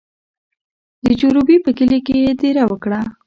د جروبي په کلي کې یې دېره وکړه.